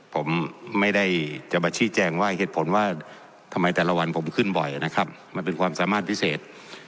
ผมไม่ได้เจ้าบัชชีแจงว่าเหตุผลว่ามันเป็นความสามารถพิเศษ